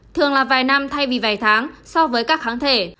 thường là vài năm thay vì vài tháng so với các kháng thể